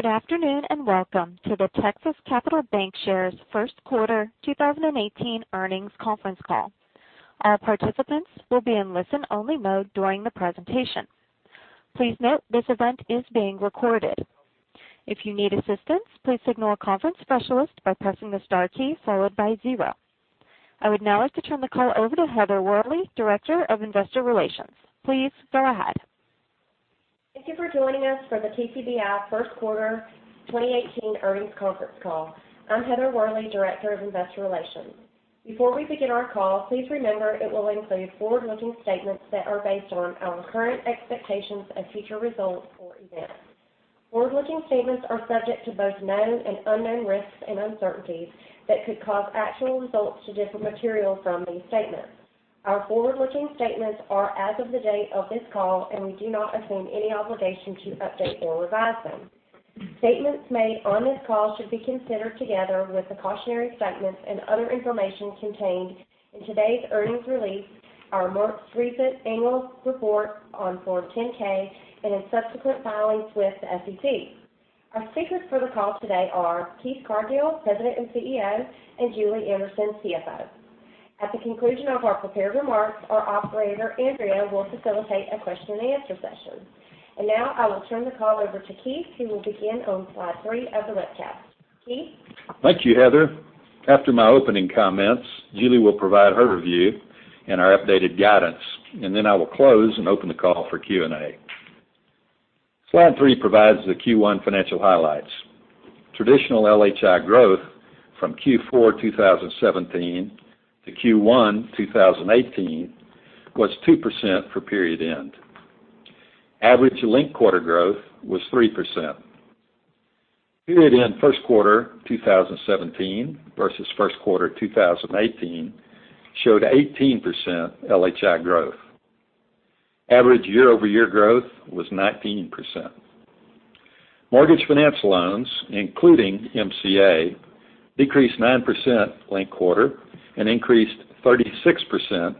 Good afternoon, welcome to the Texas Capital Bancshares first quarter 2018 earnings conference call. All participants will be in listen-only mode during the presentation. Please note this event is being recorded. If you need assistance, please signal a conference specialist by pressing the star key followed by zero. I would now like to turn the call over to Heather Worley, Director of Investor Relations. Please go ahead. Thank you for joining us for the TCBI first quarter 2018 earnings conference call. I'm Heather Worley, Director of Investor Relations. Before we begin our call, please remember it will include forward-looking statements that are based on our current expectations of future results or events. Forward-looking statements are subject to both known and unknown risks and uncertainties that could cause actual results to differ materially from these statements. Our forward-looking statements are as of the date of this call, we do not assume any obligation to update or revise them. Statements made on this call should be considered together with the cautionary statements and other information contained in today's earnings release, our most recent annual report on Form 10-K, and in subsequent filings with the SEC. Our speakers for the call today are Keith Cargill, President and CEO, and Julie Anderson, CFO. At the conclusion of our prepared remarks, our operator, Andrea, will facilitate a question and answer session. Now I will turn the call over to Keith, who will begin on slide three of the webcast. Keith? Thank you, Heather. After my opening comments, Julie will provide her review and our updated guidance, I will close and open the call for Q&A. Slide three provides the Q1 financial highlights. Traditional LHI growth from Q4 2017 to Q1 2018 was 2% for period end. Average linked-quarter growth was 3%. Period-end first quarter 2017 versus first quarter 2018 showed 18% LHI growth. Average year-over-year growth was 19%. Mortgage finance loans, including MCA, decreased 9% linked quarter and increased 36%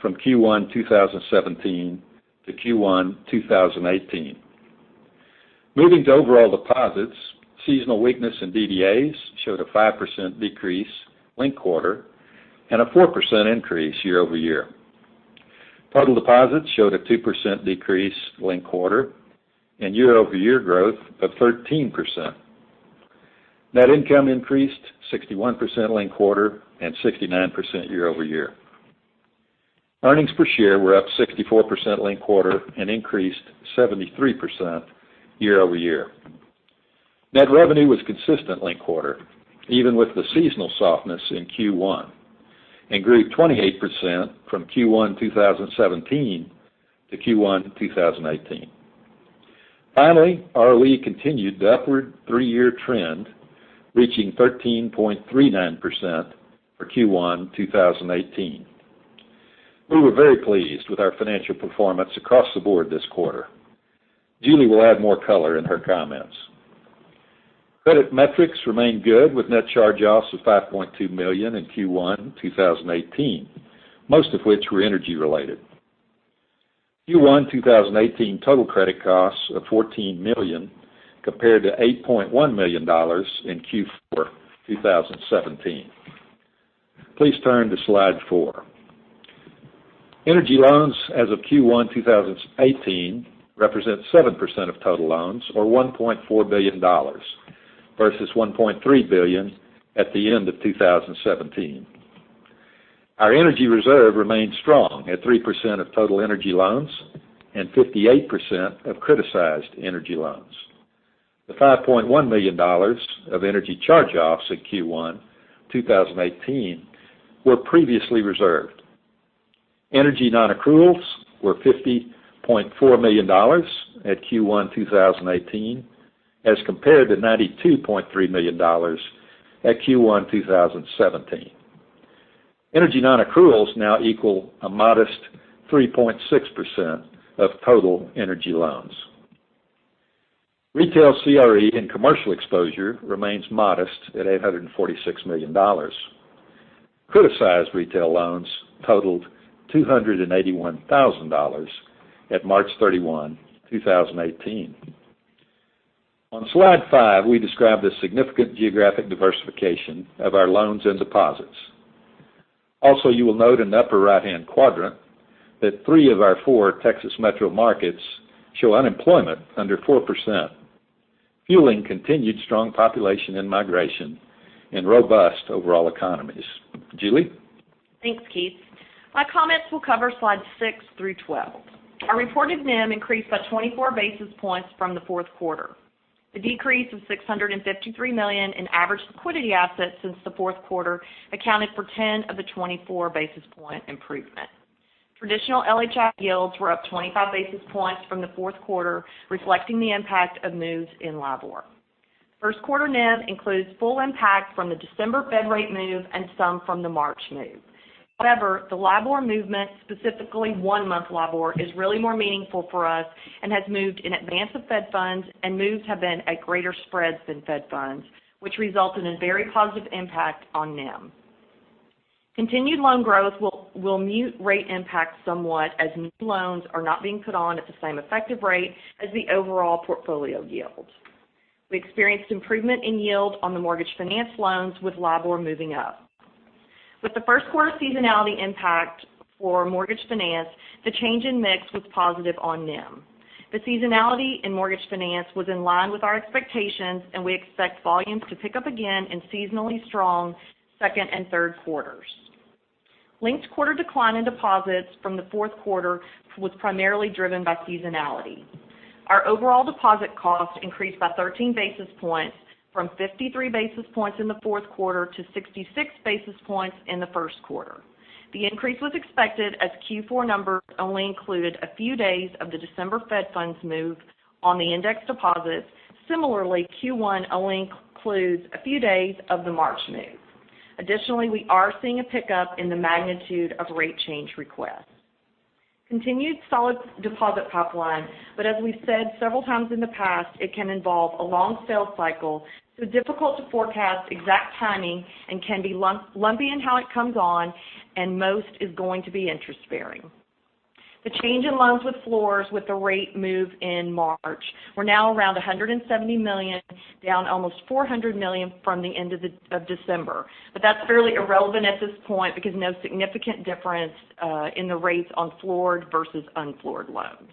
from Q1 2017 to Q1 2018. Moving to overall deposits, seasonal weakness in DDAs showed a 5% decrease linked quarter and a 4% increase year-over-year. Total deposits showed a 2% decrease linked quarter and year-over-year growth of 13%. Net income increased 51% linked quarter and 69% year-over-year. Earnings per share were up 64% linked quarter and increased 73% year-over-year. Net revenue was consistent linked quarter, even with the seasonal softness in Q1, and grew 28% from Q1 2017 to Q1 2018. Finally, ROE continued the upward three-year trend, reaching 13.39% for Q1 2018. We were very pleased with our financial performance across the board this quarter. Julie will add more color in her comments. Credit metrics remain good with net charge-offs of $5.2 million in Q1 2018, most of which were energy-related. Q1 2018 total credit costs of $14 million compared to $8.1 million in Q4 2017. Please turn to Slide four. Energy loans as of Q1 2018 represent 7% of total loans or $1.4 billion versus $1.3 billion at the end of 2017. Our energy reserve remains strong at 3% of total energy loans and 58% of criticized energy loans. The $5.1 million of energy charge-offs in Q1 2018 were previously reserved. Energy non-accruals were $50.4 million at Q1 2018 as compared to $92.3 million at Q1 2017. Energy non-accruals now equal a modest 3.6% of total energy loans. Retail CRE and commercial exposure remains modest at $846 million. Criticized retail loans totaled $281,000 at March 31, 2018. On Slide five, we describe the significant geographic diversification of our loans and deposits. Also, you will note in the upper right-hand quadrant that three of our four Texas metro markets show unemployment under 4%, fueling continued strong population and migration and robust overall economies. Julie? Thanks, Keith. My comments will cover Slides six through 12. Our reported NIM increased by 24 basis points from the fourth quarter. The decrease of $653 million in average liquidity assets since the fourth quarter accounted for 10 of the 24 basis point improvement. Traditional LHI yields were up 25 basis points from the fourth quarter, reflecting the impact of moves in LIBOR. First quarter NIM includes full impact from the December Fed rate move and some from the March move. The LIBOR movement, specifically one-month LIBOR, is really more meaningful for us and has moved in advance of Fed funds, and moves have been at greater spreads than Fed funds, which resulted in very positive impact on NIM. Continued loan growth will mute rate impact somewhat as new loans are not being put on at the same effective rate as the overall portfolio yield. We experienced improvement in yield on the mortgage finance loans with LIBOR moving up. With the first quarter seasonality impact for mortgage finance, the change in mix was positive on NIM. The seasonality in mortgage finance was in line with our expectations, and we expect volumes to pick up again in seasonally strong second and third quarters. Linked quarter decline in deposits from the fourth quarter was primarily driven by seasonality. Our overall deposit cost increased by 13 basis points from 53 basis points in the fourth quarter to 66 basis points in the first quarter. The increase was expected as Q4 numbers only included a few days of the December Fed funds move on the index deposits. Similarly, Q1 only includes a few days of the March move. Additionally, we are seeing a pickup in the magnitude of rate change requests. Continued solid deposit pipeline. As we've said several times in the past, it can involve a long sales cycle, so difficult to forecast exact timing and can be lumpy in how it comes on, and most is going to be interest-bearing. The change in loans with floors with the rate move in March. We're now around $170 million, down almost $400 million from the end of December. That's fairly irrelevant at this point because no significant difference in the rates on floored versus unfloored loans.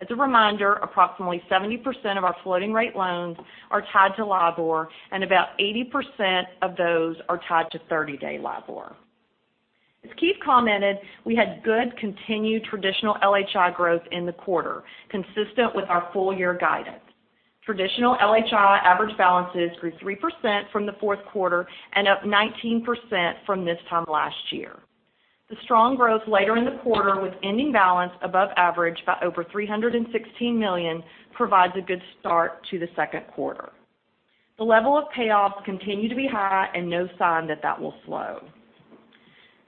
As a reminder, approximately 70% of our floating rate loans are tied to LIBOR, and about 80% of those are tied to 30-day LIBOR. As Keith commented, we had good continued traditional LHI growth in the quarter, consistent with our full-year guidance. Traditional LHI average balances grew 3% from the fourth quarter and up 19% from this time last year. The strong growth later in the quarter with ending balance above average by over $316 million provides a good start to the second quarter. The level of payoffs continue to be high and no sign that that will slow.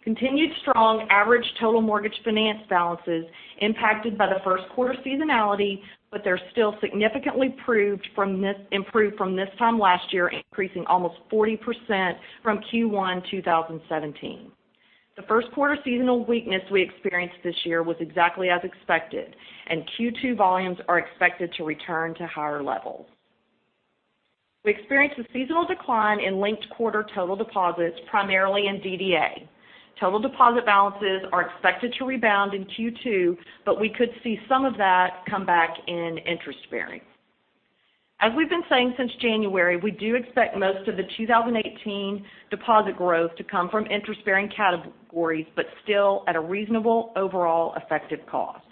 Continued strong average total mortgage finance balances impacted by the first quarter seasonality, but they're still significantly improved from this time last year, increasing almost 40% from Q1 2017. The first quarter seasonal weakness we experienced this year was exactly as expected, and Q2 volumes are expected to return to higher levels. We experienced a seasonal decline in linked quarter total deposits, primarily in DDA. Total deposit balances are expected to rebound in Q2, but we could see some of that come back in interest-bearing. As we've been saying since January, we do expect most of the 2018 deposit growth to come from interest-bearing categories, but still at a reasonable overall effective cost.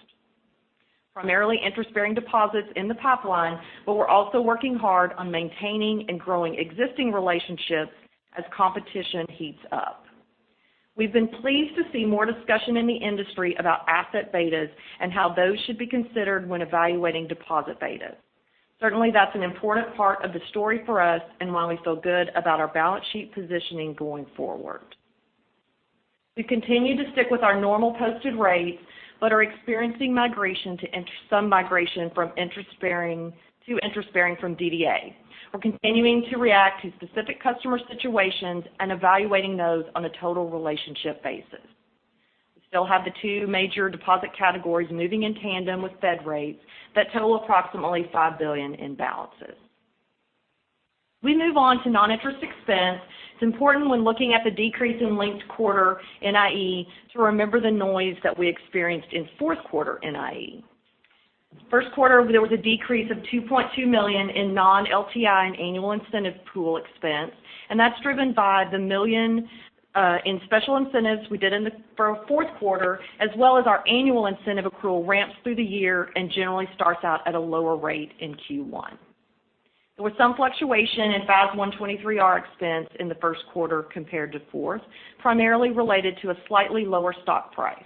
Primarily interest-bearing deposits in the pipeline, but we're also working hard on maintaining and growing existing relationships as competition heats up. We've been pleased to see more discussion in the industry about asset betas and how those should be considered when evaluating deposit betas. Certainly, that's an important part of the story for us and why we feel good about our balance sheet positioning going forward. We continue to stick with our normal posted rates but are experiencing some migration to interest-bearing from DDA. We're continuing to react to specific customer situations and evaluating those on a total relationship basis. We still have the 2 major deposit categories moving in tandem with Fed rates that total approximately $5 billion in balances. We move on to non-interest expense. It's important when looking at the decrease in linked quarter NIE to remember the noise that we experienced in fourth quarter NIE. First quarter, there was a decrease of $2.2 million in non-LTI and annual incentive pool expense, and that's driven by the million in special incentives we did in the fourth quarter, as well as our annual incentive accrual ramps through the year and generally starts out at a lower rate in Q1. There was some fluctuation in FAS 123R expense in the first quarter compared to fourth, primarily related to a slightly lower stock price.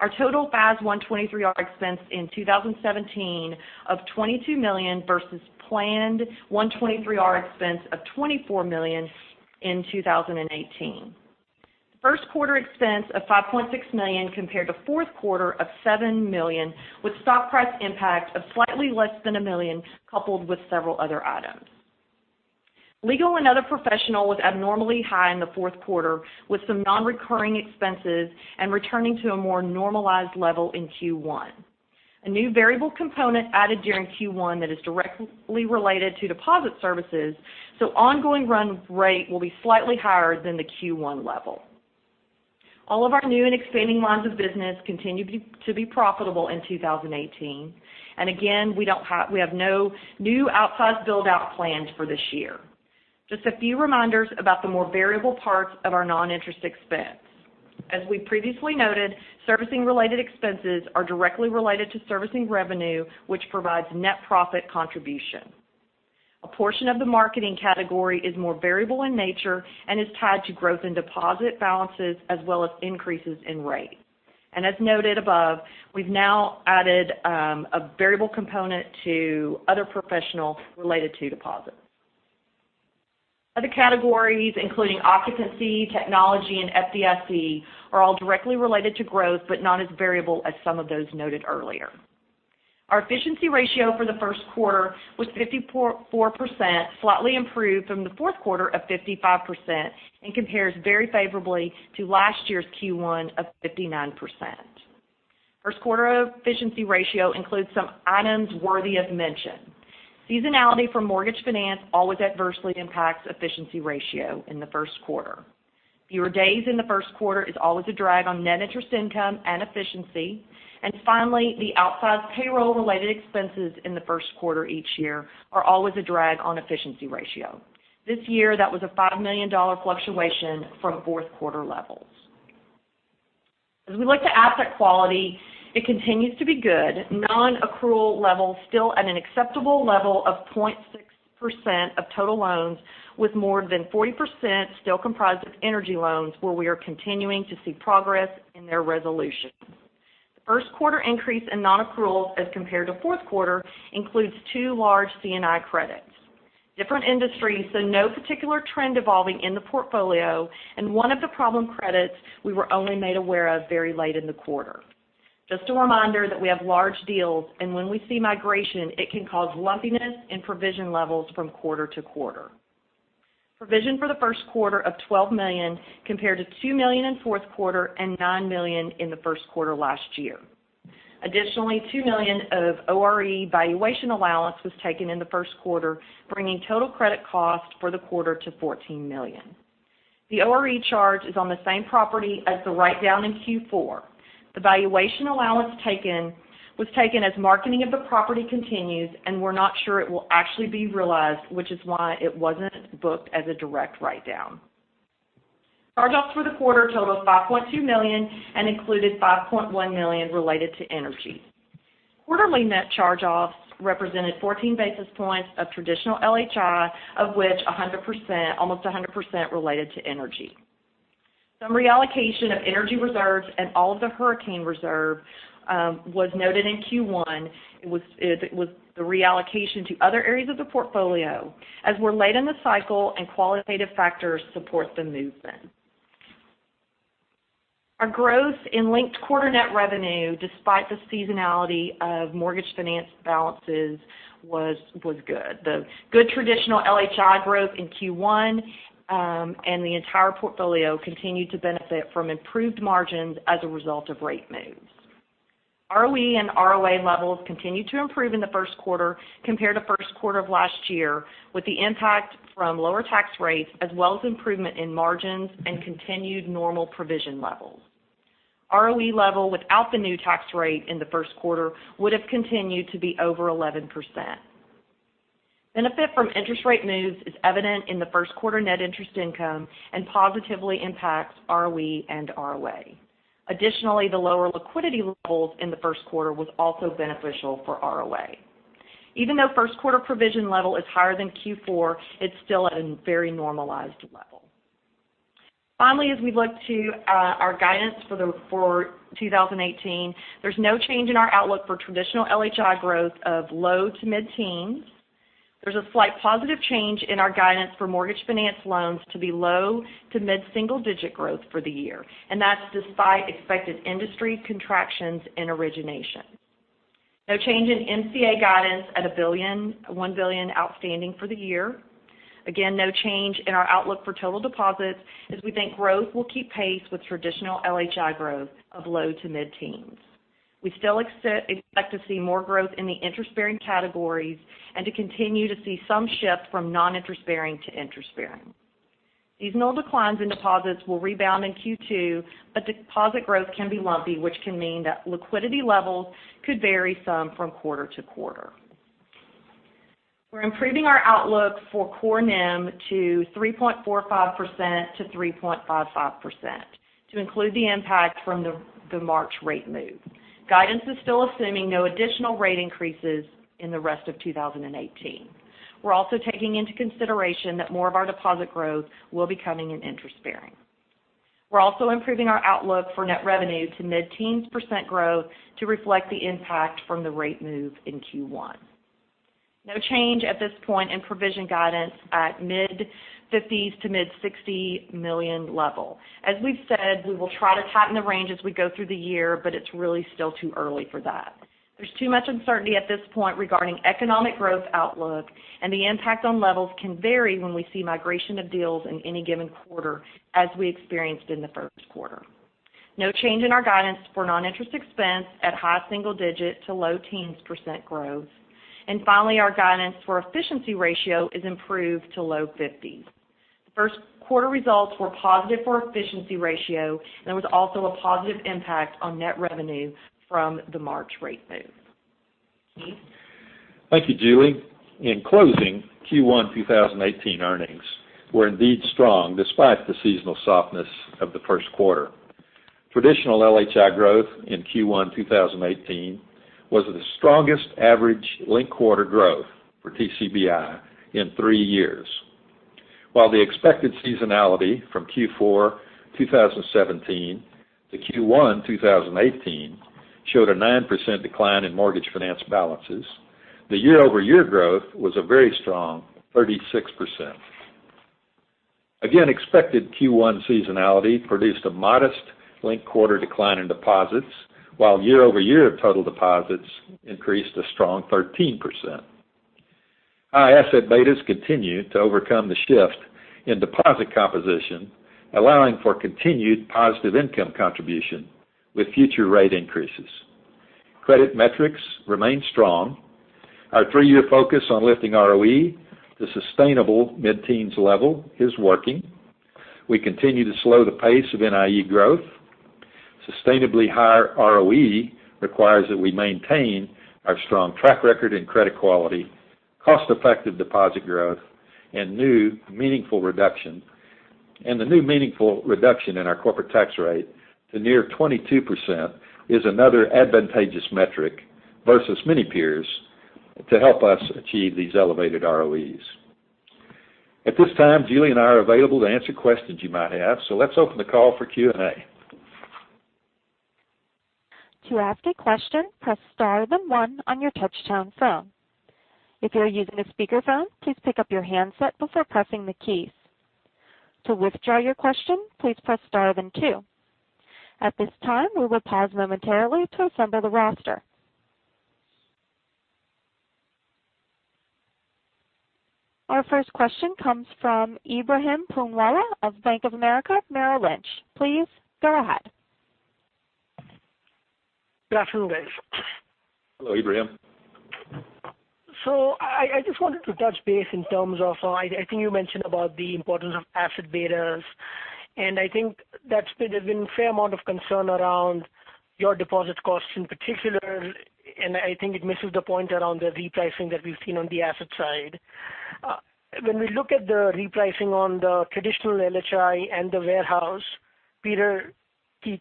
Our total FAS 123R expense in 2017 of $22 million versus planned 123R expense of $24 million in 2018. First quarter expense of $5.6 million compared to fourth quarter of $7 million, with stock price impact of slightly less than a million, coupled with several other items. Legal and other professional was abnormally high in the fourth quarter, with some non-recurring expenses and returning to a more normalized level in Q1. A new variable component added during Q1 that is directly related to deposit services, so ongoing run rate will be slightly higher than the Q1 level. Again, we have no new outsize build-out plans for this year. Just a few reminders about the more variable parts of our non-interest expense. As we previously noted, servicing-related expenses are directly related to servicing revenue, which provides net profit contribution. A portion of the marketing category is more variable in nature and is tied to growth in deposit balances as well as increases in rate. As noted above, we've now added a variable component to other professional related to deposits. Other categories, including occupancy, technology, and FDIC, are all directly related to growth, but not as variable as some of those noted earlier. Our efficiency ratio for the first quarter was 54%, slightly improved from the fourth quarter of 55%, and compares very favorably to last year's Q1 of 59%. First quarter efficiency ratio includes some items worthy of mention. Seasonality for mortgage finance always adversely impacts efficiency ratio in the first quarter. Fewer days in the first quarter is always a drag on net interest income and efficiency. Finally, the outsized payroll-related expenses in the first quarter each year are always a drag on efficiency ratio. This year, that was a $5 million fluctuation from fourth quarter levels. As we look to asset quality, it continues to be good. Non-accrual levels still at an acceptable level of 0.6% of total loans, with more than 40% still comprised of energy loans where we are continuing to see progress in their resolution. The first quarter increase in non-accrual as compared to fourth quarter includes two large C&I credits. Different industries, so no particular trend evolving in the portfolio, and one of the problem credits we were only made aware of very late in the quarter. Just a reminder that we have large deals, and when we see migration, it can cause lumpiness in provision levels from quarter to quarter. Provision for the first quarter of $12 million compared to $2 million in fourth quarter and $9 million in the first quarter last year. Additionally, $2 million of ORE valuation allowance was taken in the first quarter, bringing total credit cost for the quarter to $14 million. The ORE charge is on the same property as the write-down in Q4. The valuation allowance taken was taken as marketing of the property continues, and we're not sure it will actually be realized, which is why it wasn't booked as a direct write-down. Charge-offs for the quarter totaled $5.2 million and included $5.1 million related to energy. Quarterly net charge-offs represented 14 basis points of traditional LHI, of which almost 100% related to energy. Some reallocation of energy reserves and all of the hurricane reserve was noted in Q1. It was the reallocation to other areas of the portfolio as we're late in the cycle and qualitative factors support the movement. Our growth in linked quarter net revenue, despite the seasonality of mortgage finance balances, was good. The good traditional LHI growth in Q1 and the entire portfolio continued to benefit from improved margins as a result of rate moves. ROE and ROA levels continued to improve in the first quarter compared to first quarter of last year, with the impact from lower tax rates as well as improvement in margins and continued normal provision levels. ROE level without the new tax rate in the first quarter would have continued to be over 11%. Benefit from interest rate moves is evident in the first quarter net interest income and positively impacts ROE and ROA. Additionally, the lower liquidity levels in the first quarter was also beneficial for ROA. Even though first quarter provision level is higher than Q4, it's still at a very normalized level. Finally, as we look to our guidance for 2018, there's no change in our outlook for traditional LHI growth of low to mid-teens. There's a slight positive change in our guidance for mortgage finance loans to be low to mid-single digit growth for the year, and that's despite expected industry contractions in origination. No change in NCA guidance at $1 billion outstanding for the year. Again, no change in our outlook for total deposits as we think growth will keep pace with traditional LHI growth of low to mid-teens. We still expect to see more growth in the interest-bearing categories and to continue to see some shift from non-interest bearing to interest bearing. Seasonal declines in deposits will rebound in Q2, but deposit growth can be lumpy, which can mean that liquidity levels could vary some from quarter-to-quarter. We're improving our outlook for core NIM to 3.45%-3.55% to include the impact from the March rate move. Guidance is still assuming no additional rate increases in the rest of 2018. We're also taking into consideration that more of our deposit growth will be coming in interest bearing. We're also improving our outlook for net revenue to mid-teens % growth to reflect the impact from the rate move in Q1. No change at this point in provision guidance at mid-$50 million to mid-$60 million level. As we've said, we will try to tighten the range as we go through the year, but it's really still too early for that. There's too much uncertainty at this point regarding economic growth outlook, and the impact on levels can vary when we see migration of deals in any given quarter as we experienced in the first quarter. No change in our guidance for non-interest expense at high single-digit to low-teens % growth. Finally, our guidance for efficiency ratio is improved to low 50s. The first quarter results were positive for efficiency ratio, and there was also a positive impact on net revenue from the March rate move. Keith? Thank you, Julie. In closing, Q1 2018 earnings were indeed strong despite the seasonal softness of the first quarter. Traditional LHI growth in Q1 2018 was the strongest average linked-quarter growth for TCBI in three years. While the expected seasonality from Q4 2017 to Q1 2018 showed a 9% decline in mortgage finance balances, the year-over-year growth was a very strong 36%. Expected Q1 seasonality produced a modest linked-quarter decline in deposits, while year-over-year total deposits increased a strong 13%. High asset betas continued to overcome the shift in deposit composition, allowing for continued positive income contribution with future rate increases. Credit metrics remain strong. Our three-year focus on lifting ROE to sustainable mid-teens level is working. We continue to slow the pace of NIE growth. Sustainably higher ROE requires that we maintain our strong track record and credit quality, cost-effective deposit growth, and the new meaningful reduction in our corporate tax rate to near 22% is another advantageous metric versus many peers to help us achieve these elevated ROEs. At this time, Julie and I are available to answer questions you might have. Let's open the call for Q&A. To ask a question, press star, then one on your touch-tone phone. If you are using a speakerphone, please pick up your handset before pressing the keys. To withdraw your question, please press star, then two. At this time, we will pause momentarily to assemble the roster. Our first question comes from Ebrahim Poonawala of Bank of America Merrill Lynch. Please go ahead. Good afternoon, guys. Hello, Ibrahim. I just wanted to touch base in terms of, I think you mentioned about the importance of asset betas, and I think that's been a fair amount of concern around your deposit costs in particular, and I think it misses the point around the repricing that we've seen on the asset side. When we look at the repricing on the traditional LHI and the warehouse, Peter, Keith,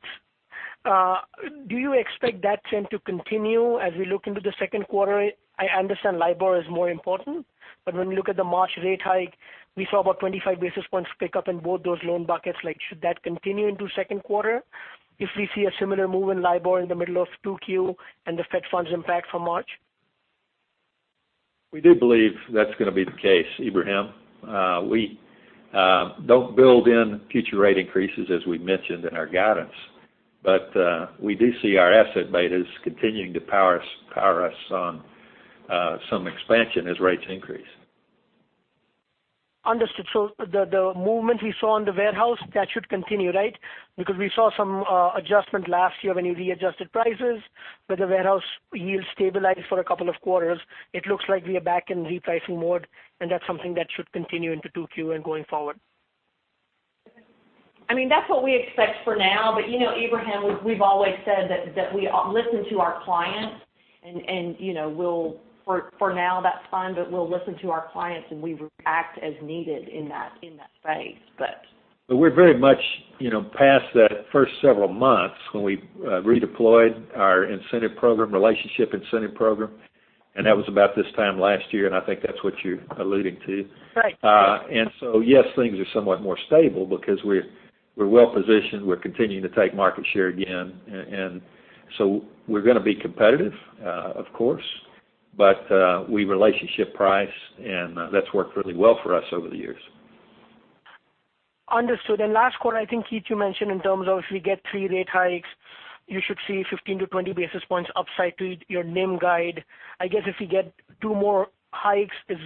do you expect that trend to continue as we look into the second quarter? I understand LIBOR is more important, but when we look at the March rate hike, we saw about 25 basis points pick up in both those loan buckets. Should that continue into second quarter if we see a similar move in LIBOR in the middle of 2Q and the Fed funds impact from March? We do believe that's going to be the case, Ibrahim. We don't build in future rate increases, as we mentioned in our guidance. We do see our asset betas continuing to power us on some expansion as rates increase. Understood. The movement we saw in the warehouse, that should continue, right? Because we saw some adjustment last year when you readjusted prices, but the warehouse yield stabilized for a couple of quarters. It looks like we are back in repricing mode, and that's something that should continue into 2Q and going forward. That's what we expect for now. Ibrahim, we've always said that we listen to our clients, for now, that's fine. We'll listen to our clients, and we act as needed in that phase. We're very much past that first several months when we redeployed our incentive program, relationship incentive program. That was about this time last year, and I think that's what you're alluding to. Right. Yes, things are somewhat more stable because we're well-positioned. We're continuing to take market share again. We're going to be competitive, of course, but we relationship price, and that's worked really well for us over the years. Understood. Last quarter, I think, Keith, you mentioned in terms of if we get 3 rate hikes, you should see 15-20 basis points upside to your NIM guide. I guess if you get two more hikes, is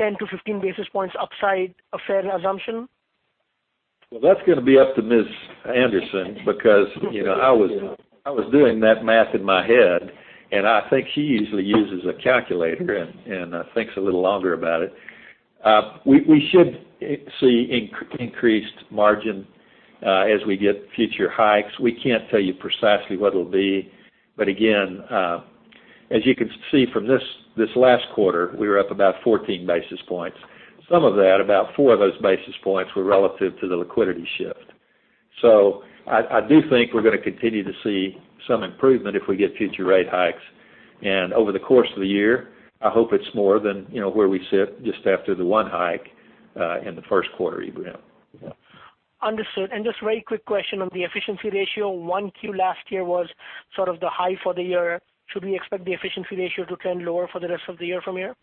10-15 basis points upside a fair assumption? That's going to be up to Ms. Anderson because I was doing that math in my head, and I think she usually uses a calculator and thinks a little longer about it. We should see increased margin as we get future hikes. We can't tell you precisely what it'll be. Again, as you can see from this last quarter, we were up about 14 basis points. Some of that, about four of those basis points, were relative to the liquidity shift. I do think we're going to continue to see some improvement if we get future rate hikes. Over the course of the year, I hope it's more than where we sit just after the one hike in the first quarter, Ebrahim. Understood. Just very quick question on the efficiency ratio. 1Q last year was sort of the high for the year. Should we expect the efficiency ratio to trend lower for the rest of the year from here?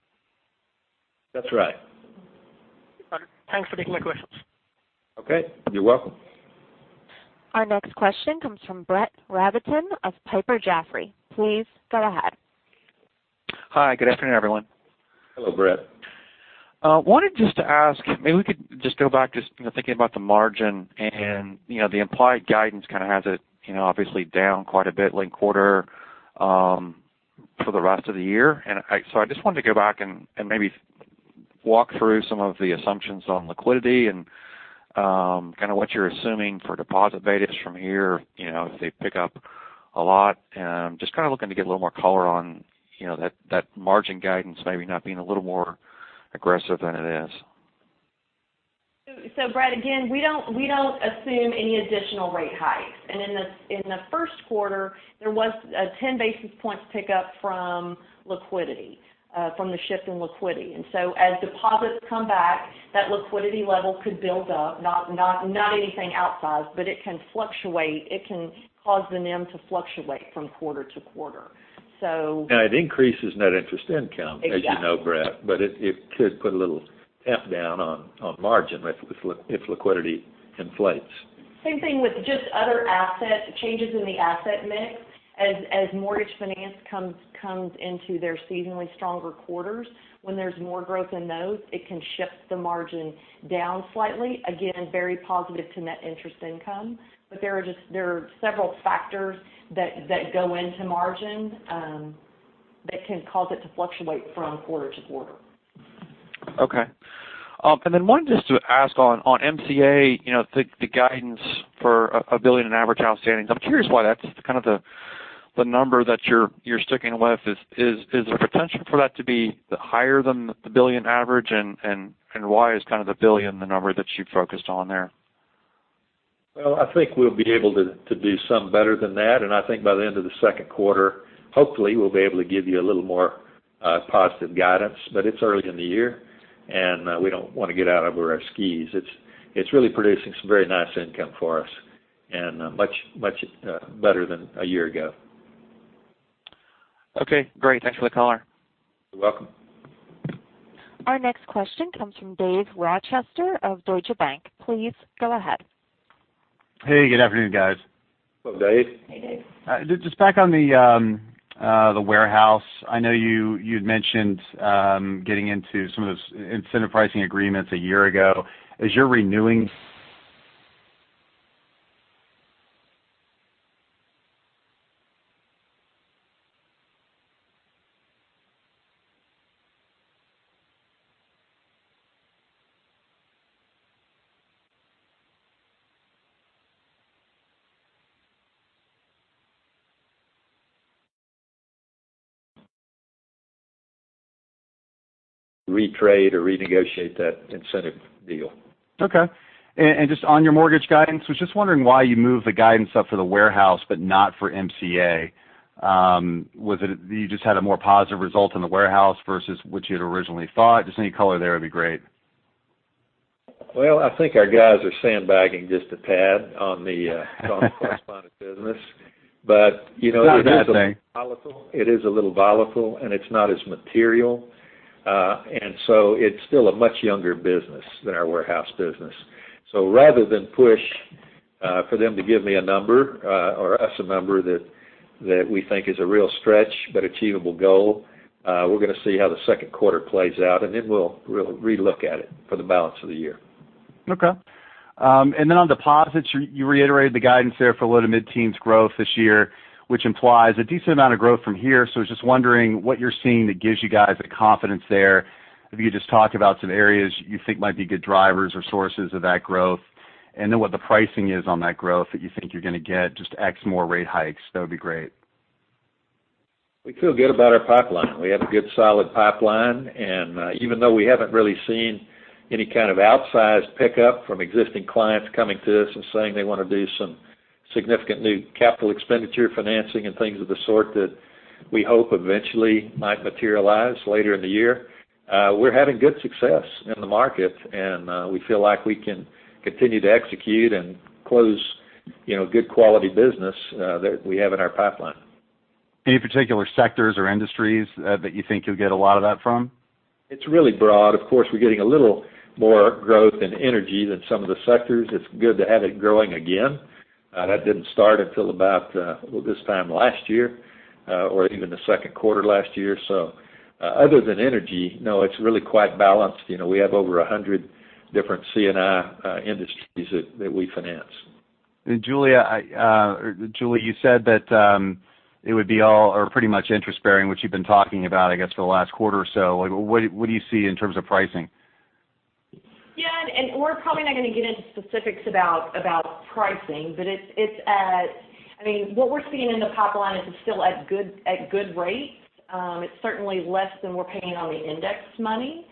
That's right. Got it. Thanks for taking my questions. Okay. You're welcome. Our next question comes from Brett Rabatin of Piper Jaffray. Please go ahead. Hi, good afternoon, everyone. Hello, Brett. I wanted just to ask, maybe we could just go back, just thinking about the margin and the implied guidance kind of has it obviously down quite a bit linked quarter for the rest of the year. I just wanted to go back and maybe walk through some of the assumptions on liquidity and kind of what you're assuming for deposit betas from here if they pick up a lot. Just kind of looking to get a little more color on that margin guidance maybe not being a little more aggressive than it is. Brett, again, we don't assume any additional rate hikes. In the first quarter, there was a 10 basis points pickup from liquidity, from the shift in liquidity. As deposits come back, that liquidity level could build up, not anything outsized, but it can fluctuate. It can cause the NIM to fluctuate from quarter to quarter. It increases net interest income. Exactly As you know, Brett, it could put a little damp down on margin if liquidity inflates. Same thing with just other asset changes in the asset mix. As mortgage finance comes into their seasonally stronger quarters, when there's more growth in those, it can shift the margin down slightly. Again, very positive to net interest income. There are several factors that go into margin, that can cause it to fluctuate from quarter to quarter. Okay. Wanted just to ask on MCA, the guidance for $1 billion in average outstanding. I'm curious why that's the number that you're sticking with. Is there potential for that to be higher than the $1 billion average? Why is the $1 billion the number that you focused on there? Well, I think we'll be able to do some better than that, and I think by the end of the second quarter, hopefully, we'll be able to give you a little more positive guidance. It's early in the year, and we don't want to get out over our skis. It's really producing some very nice income for us and much better than a year ago. Okay, great. Thanks for the color. You're welcome. Our next question comes from David Rochester of Deutsche Bank. Please go ahead. Hey, good afternoon, guys. Hello, Dave. Hey, Dave. Just back on the warehouse, I know you'd mentioned getting into some of those incentive pricing agreements a year ago. As you're renewing- Retrade or renegotiate that incentive deal. Okay. I was just wondering why you moved the guidance up for the warehouse but not for MCA. You just had a more positive result in the warehouse versus what you had originally thought? Just any color there would be great. I think our guys are sandbagging just a tad on the correspondent business. It is a little- It's not a bad thing Volatile, it is a little volatile, and it's not as material. It's still a much younger business than our warehouse business. Rather than push, for them to give me a number, or us a number that we think is a real stretch but achievable goal, we're going to see how the second quarter plays out, and then we'll re-look at it for the balance of the year. Okay. On deposits, you reiterated the guidance there for low- to mid-teens growth this year, which implies a decent amount of growth from here. I was just wondering what you're seeing that gives you guys the confidence there. If you could just talk about some areas you think might be good drivers or sources of that growth, and then what the pricing is on that growth that you think you're going to get, just X more rate hikes, that would be great. We feel good about our pipeline. We have a good solid pipeline, and even though we haven't really seen any kind of outsized pickup from existing clients coming to us and saying they want to do some significant new capital expenditure financing and things of the sort that we hope eventually might materialize later in the year, we're having good success in the market, and we feel like we can continue to execute and close good quality business that we have in our pipeline. Any particular sectors or industries that you think you'll get a lot of that from? It's really broad. Of course, we're getting a little more growth in energy than some of the sectors. It's good to have it growing again. That didn't start until about, well, this time last year, or even the second quarter last year. Other than energy, no, it's really quite balanced. We have over 100 different C&I industries that we finance. Julie, you said that it would be all, or pretty much interest-bearing, which you've been talking about, I guess, for the last quarter or so. What do you see in terms of pricing? Yeah, we're probably not going to get into specifics about pricing. What we're seeing in the pipeline is it's still at good rates. It's certainly less than we're paying on the index money.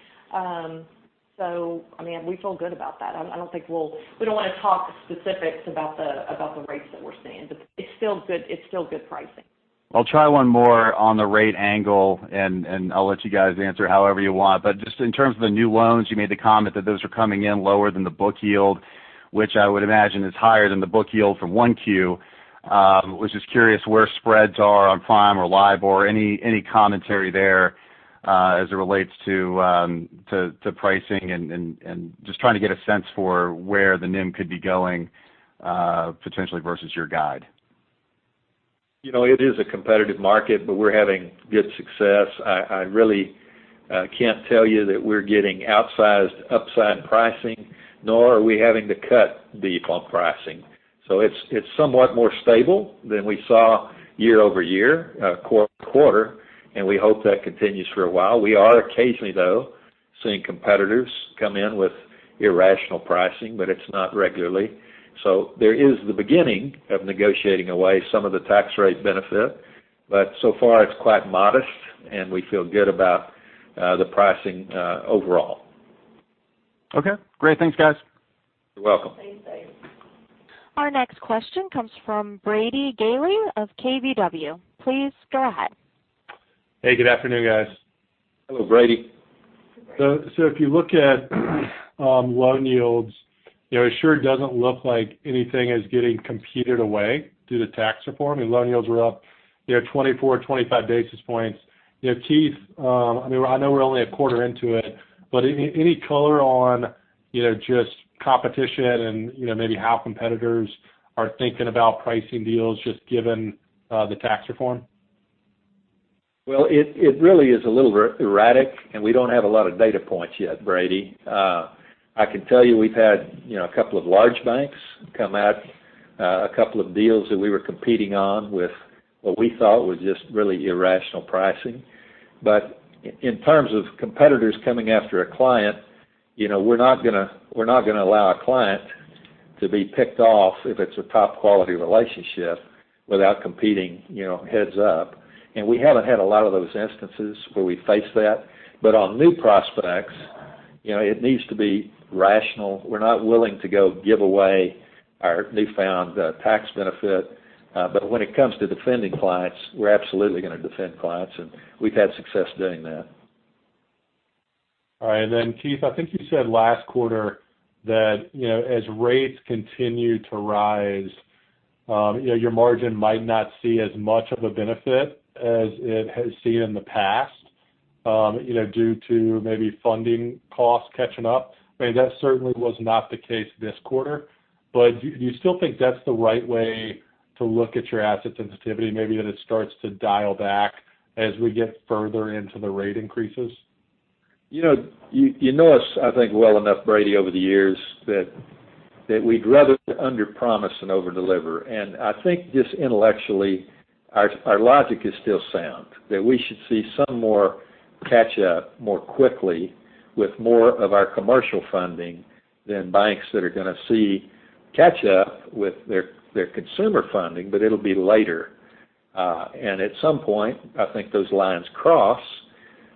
We feel good about that. We don't want to talk specifics about the rates that we're seeing, but it's still good pricing. I'll try one more on the rate angle. I'll let you guys answer however you want. Just in terms of the new loans, you made the comment that those are coming in lower than the book yield, which I would imagine is higher than the book yield from 1Q. Was just curious where spreads are on prime or LIBOR, any commentary there, as it relates to pricing and just trying to get a sense for where the NIM could be going, potentially versus your guide. It is a competitive market. We're having good success. I really can't tell you that we're getting outsized upside pricing, nor are we having to cut deep on pricing. It's somewhat more stable than we saw year-over-year, quarter. We hope that continues for a while. We are occasionally, though, seeing competitors come in with irrational pricing, but it's not regularly. There is the beginning of negotiating away some of the tax rate benefit. So far, it's quite modest. We feel good about the pricing overall. Okay, great. Thanks, guys. You're welcome. Thanks, Dave. Our next question comes from Brady Gailey of KBW. Please go ahead. Hey, good afternoon, guys. Hello, Brady. If you look at loan yields, it sure doesn't look like anything is getting competed away due to tax reform. Your loan yields were up 24, 25 basis points, Keith, I know we're only a quarter into it, but any color on just competition and maybe how competitors are thinking about pricing deals, just given the tax reform? It really is a little erratic, and we don't have a lot of data points yet, Brady. I can tell you we've had a couple of large banks come out, a couple of deals that we were competing on with what we thought was just really irrational pricing. In terms of competitors coming after a client, we're not going to allow a client to be picked off if it's a top-quality relationship without competing heads up. We haven't had a lot of those instances where we face that. On new prospects, it needs to be rational. We're not willing to go give away our newfound tax benefit. When it comes to defending clients, we're absolutely going to defend clients, and we've had success doing that. All right. Keith, I think you said last quarter that as rates continue to rise, your margin might not see as much of a benefit as it has seen in the past, due to maybe funding costs catching up. That certainly was not the case this quarter, but do you still think that's the right way to look at your asset sensitivity, maybe that it starts to dial back as we get further into the rate increases? You know us, I think, well enough, Brady, over the years that we'd rather underpromise and overdeliver. I think just intellectually, our logic is still sound, that we should see some more catch-up more quickly with more of our commercial funding than banks that are going to see catch-up with their consumer funding, but it'll be later. At some point, I think those lines cross,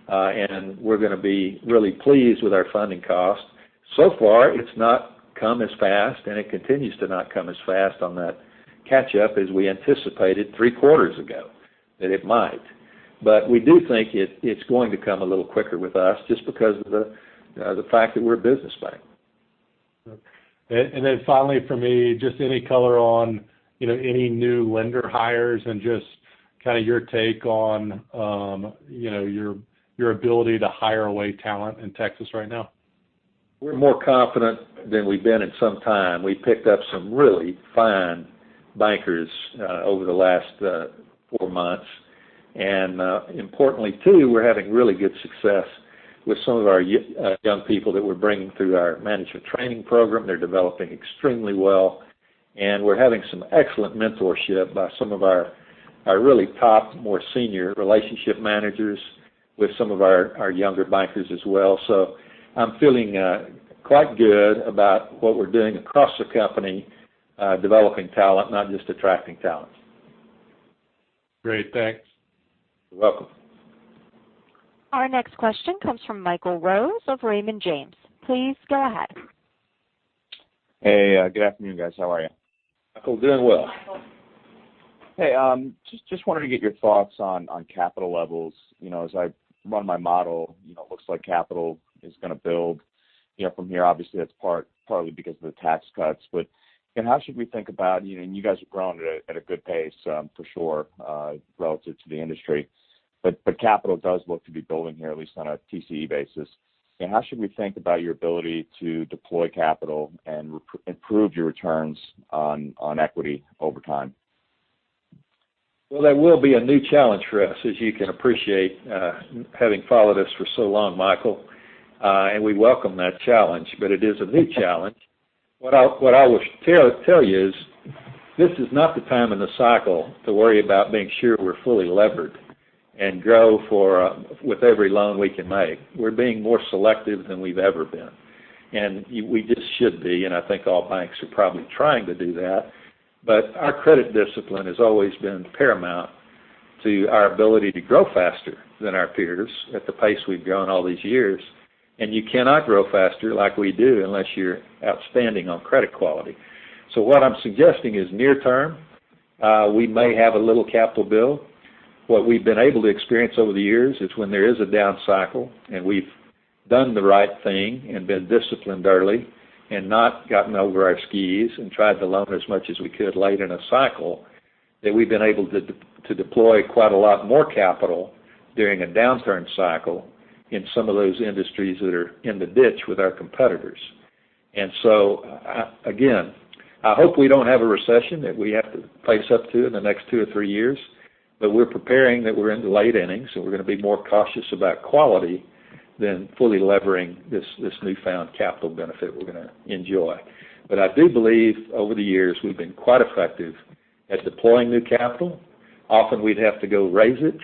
and we're going to be really pleased with our funding costs. So far, it's not come as fast, and it continues to not come as fast on that catch-up as we anticipated three quarters ago that it might. We do think it's going to come a little quicker with us just because of the fact that we're a business bank. Finally from me, just any color on any new lender hires and just kind of your take on your ability to hire away talent in Texas right now. We're more confident than we've been in some time. We picked up some really fine bankers over the last four months. Importantly, too, we're having really good success with some of our young people that we're bringing through our management training program. They're developing extremely well, and we're having some excellent mentorship by some of our really top, more senior relationship managers with some of our younger bankers as well. I'm feeling quite good about what we're doing across the company, developing talent, not just attracting talent. Great. Thanks. You're welcome. Our next question comes from Michael Rose of Raymond James. Please go ahead. Hey, good afternoon, guys. How are you? Michael, doing well. Michael. Hey, just wanted to get your thoughts on capital levels. As I run my model, it looks like capital is going to build from here. Obviously, that's partly because of the tax cuts. You guys are growing at a good pace, for sure, relative to the industry. Capital does look to be building here, at least on a TCE basis. How should we think about your ability to deploy capital and improve your returns on equity over time? Well, that will be a new challenge for us, as you can appreciate, having followed us for so long, Michael. We welcome that challenge, but it is a new challenge. What I will tell you is, this is not the time in the cycle to worry about making sure we're fully levered and grow with every loan we can make. We're being more selective than we've ever been, and we just should be, and I think all banks are probably trying to do that. Our credit discipline has always been paramount to our ability to grow faster than our peers at the pace we've grown all these years, and you cannot grow faster like we do unless you're outstanding on credit quality. What I'm suggesting is near term, we may have a little capital build. What we've been able to experience over the years is when there is a down cycle, and we've done the right thing and been disciplined early and not gotten over our skis and tried to loan as much as we could late in a cycle, that we've been able to deploy quite a lot more capital during a downturn cycle in some of those industries that are in the ditch with our competitors. Again, I hope we don't have a recession that we have to face up to in the next two or three years, but we're preparing that we're in the late innings, and we're going to be more cautious about quality than fully levering this newfound capital benefit we're going to enjoy. I do believe over the years, we've been quite effective at deploying new capital. Often we'd have to go raise it,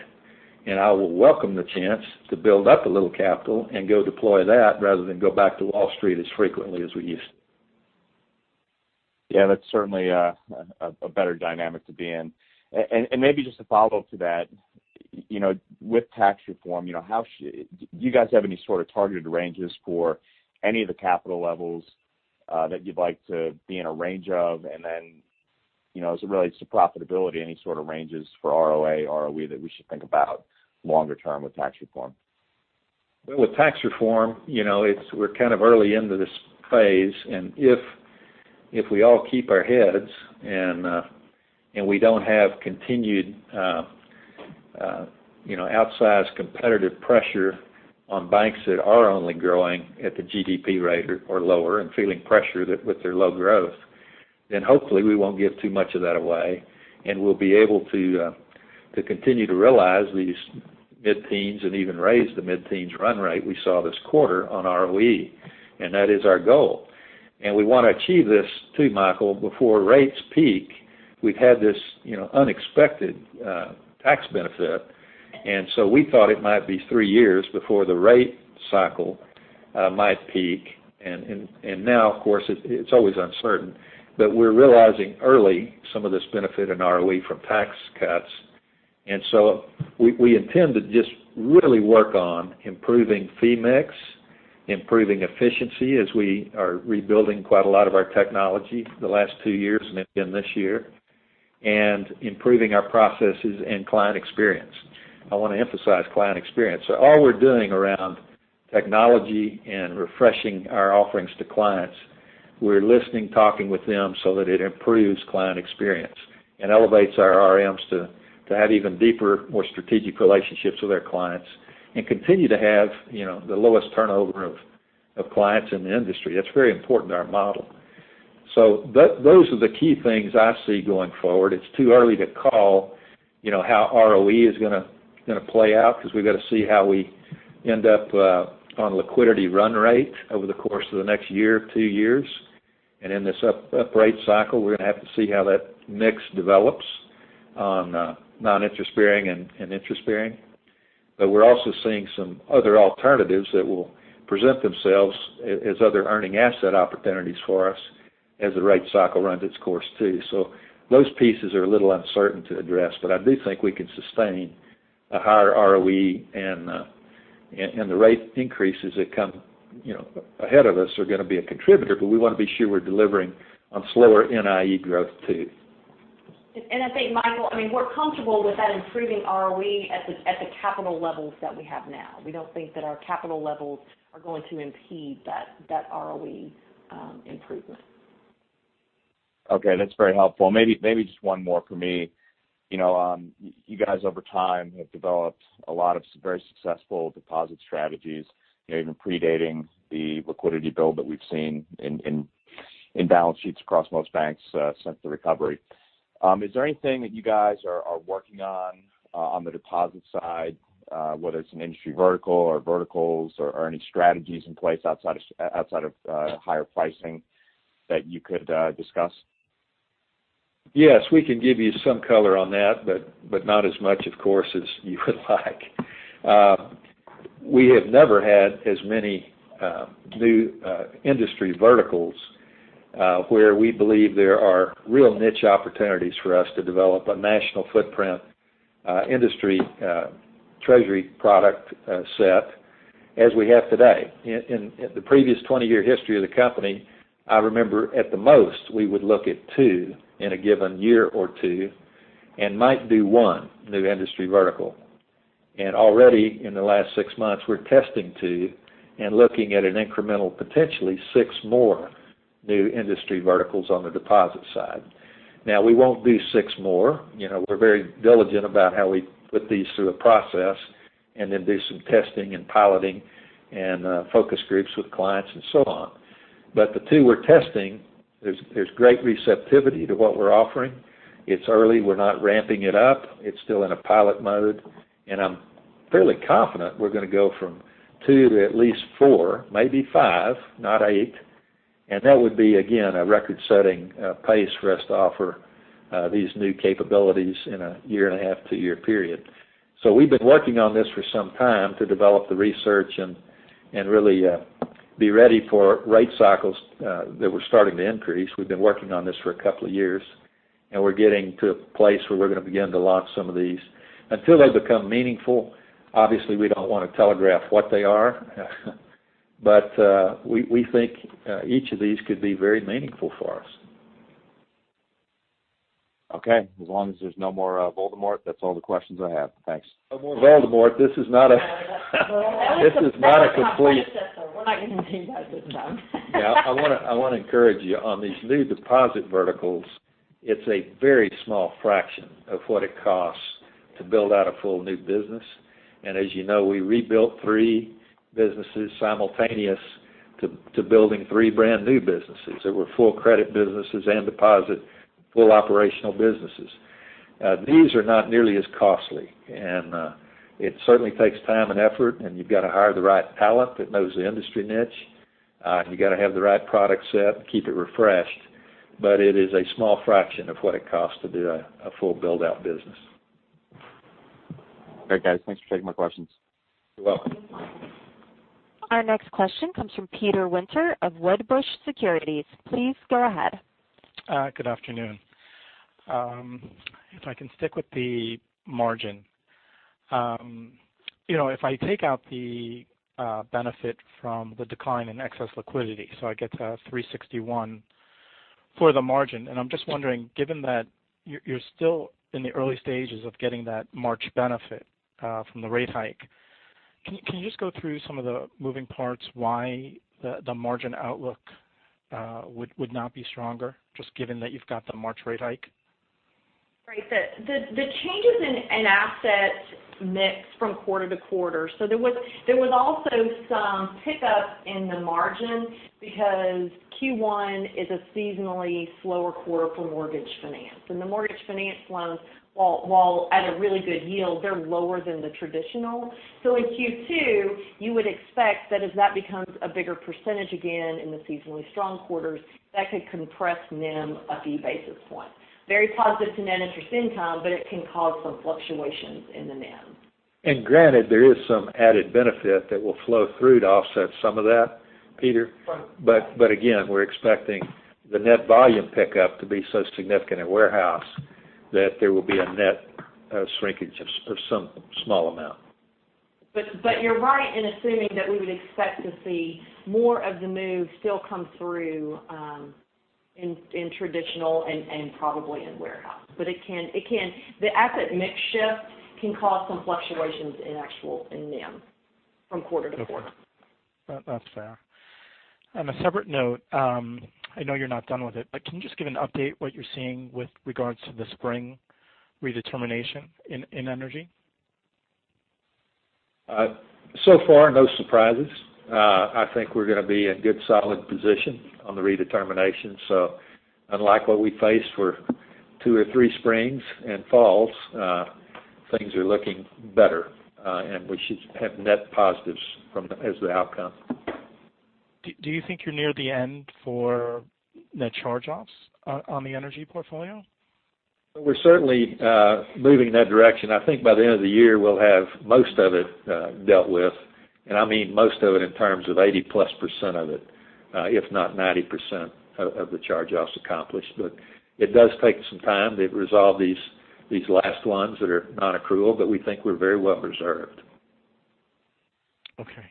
and I will welcome the chance to build up a little capital and go deploy that rather than go back to Wall Street as frequently as we used to. Yeah, that's certainly a better dynamic to be in. Maybe just a follow-up to that, with tax reform, do you guys have any sort of targeted ranges for any of the capital levels that you'd like to be in a range of? Then, as it relates to profitability, any sort of ranges for ROA, ROE that we should think about longer term with tax reform? Well, with tax reform, we're kind of early into this phase. If we all keep our heads and we don't have continued outsized competitive pressure on banks that are only growing at the GDP rate or lower and feeling pressure with their low growth, hopefully we won't give too much of that away, and we'll be able to continue to realize these mid-teens and even raise the mid-teens run rate we saw this quarter on ROE. That is our goal. We want to achieve this too, Michael, before rates peak. We've had this unexpected tax benefit. So we thought it might be three years before the rate cycle might peak. Now, of course, it's always uncertain, but we're realizing early some of this benefit in ROE from tax cuts. We intend to just really work on improving fee mix, improving efficiency as we are rebuilding quite a lot of our technology the last two years and into this year, and improving our processes and client experience. I want to emphasize client experience. All we're doing around technology and refreshing our offerings to clients, we're listening, talking with them so that it improves client experience and elevates our RMs to have even deeper, more strategic relationships with our clients and continue to have the lowest turnover of clients in the industry. That's very important to our model. Those are the key things I see going forward. It's too early to call how ROE is going to play out because we've got to see how we end up on liquidity run rate over the course of the next year or two years. In this up rate cycle, we're going to have to see how that mix develops on non-interest bearing and interest bearing. We're also seeing some other alternatives that will present themselves as other earning asset opportunities for us as the rate cycle runs its course, too. Those pieces are a little uncertain to address, but I do think we can sustain a higher ROE, and the rate increases that come ahead of us are going to be a contributor, but we want to be sure we're delivering on slower NIE growth, too. I think, Michael, we're comfortable with that improving ROE at the capital levels that we have now. We don't think that our capital levels are going to impede that ROE improvement. Okay. That's very helpful. Maybe just one more for me. You guys, over time, have developed a lot of very successful deposit strategies, even predating the liquidity build that we've seen in balance sheets across most banks since the recovery. Is there anything that you guys are working on the deposit side whether it's an industry vertical or verticals or any strategies in place outside of higher pricing that you could discuss? Yes, we can give you some color on that, but not as much, of course, as you would like. We have never had as many new industry verticals where we believe there are real niche opportunities for us to develop a national footprint industry treasury product set as we have today. In the previous 20-year history of the company, I remember at the most, we would look at two in a given year or two and might do one new industry vertical. Already in the last six months, we're testing two and looking at an incremental, potentially six more new industry verticals on the deposit side. Now, we won't do six more. We're very diligent about how we put these through a process and then do some testing and piloting and focus groups with clients and so on. The two we're testing, there's great receptivity to what we're offering. It's early. We're not ramping it up. It's still in a pilot mode, and I'm fairly confident we're going to go from two to at least four, maybe five, not eight. That would be, again, a record-setting pace for us to offer these new capabilities in a year and a half, two-year period. We've been working on this for some time to develop the research and really be ready for rate cycles that were starting to increase. We've been working on this for a couple of years. We're getting to a place where we're going to begin to launch some of these. Until they become meaningful, obviously, we don't want to telegraph what they are. We think each of these could be very meaningful for us. Okay. As long as there's no more Voldemort, that's all the questions I have. Thanks. No more Voldemort. This is not a complete That was in my play set, though. We're not going to do that this time. Yeah. I want to encourage you. On these new deposit verticals, it's a very small fraction of what it costs to build out a full new business. As you know, we rebuilt three businesses simultaneous to building three brand-new businesses that were full credit businesses and deposit full operational businesses. These are not nearly as costly, and it certainly takes time and effort, and you've got to hire the right talent that knows the industry niche. You got to have the right product set and keep it refreshed, it is a small fraction of what it costs to do a full build-out business. Great, guys. Thanks for taking my questions. You're welcome. Thanks. Our next question comes from Peter Winter of Wedbush Securities. Please go ahead. Good afternoon. If I can stick with the margin. If I take out the benefit from the decline in excess liquidity, so I get to 361 for the margin. I'm just wondering, given that you're still in the early stages of getting that March benefit from the rate hike, can you just go through some of the moving parts why the margin outlook would not be stronger, just given that you've got the March rate hike? Right. The changes in asset mix from quarter to quarter. There was also some pickup in the margin because Q1 is a seasonally slower quarter for mortgage finance. The mortgage finance loans, while at a really good yield, they're lower than the traditional. In Q2, you would expect that as that becomes a bigger percentage again in the seasonally strong quarters, that could compress NIM a few basis points. Very positive to net interest income, it can cause some fluctuations in the NIM. Granted, there is some added benefit that will flow through to offset some of that, Peter. Again, we're expecting the net volume pickup to be so significant at warehouse that there will be a net shrinkage of some small amount. You're right in assuming that we would expect to see more of the move still come through in traditional and probably in warehouse. The asset mix shift can cause some fluctuations in actual NIM from quarter to quarter. That's fair. On a separate note, I know you're not done with it, but can you just give an update what you're seeing with regards to the spring redetermination in energy? Far, no surprises. I think we're going to be in good, solid position on the redetermination. Unlike what we faced for two or three springs and falls, things are looking better. We should have net positives as the outcome. Do you think you're near the end for net charge-offs on the energy portfolio? We're certainly moving in that direction. I think by the end of the year, we'll have most of it dealt with. I mean most of it in terms of 80%+ of it, if not 90% of the charge-offs accomplished. It does take some time to resolve these last ones that are non-accrual, but we think we're very well reserved. Okay.